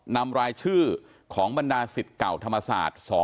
นำรายชื่อของบรรดาศิษย์เก่าธรรมศาสตร์๒